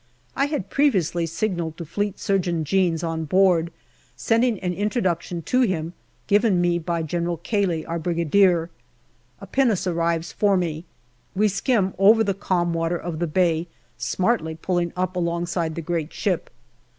I had previously signalled to Fleet Surgeon Jeans on board, sending an introduction to him given me by AUGUST 215 General Cayley, our Brigadier. A pinnace arrives for me ; we skim over the calm water of the bay, smartly pulling up alongside the great ship.